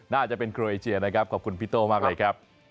น่าจะเป็นโครเอเชียนะครับขอบคุณพี่โต้มากเลยครับ